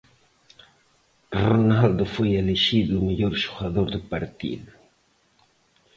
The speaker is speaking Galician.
Ronaldo foi elixido o mellor xogador do partido.